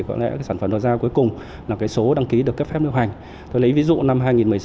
có lẽ sản phẩm đổ ra cuối cùng là cái số đăng ký được cấp phép lưu hành tôi lấy ví dụ năm hai nghìn một mươi sáu